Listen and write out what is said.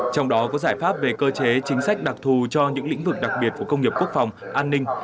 trong đó có giải pháp về cơ chế chính sách đặc thù cho những lĩnh vực đặc biệt của công nghiệp quốc phòng an ninh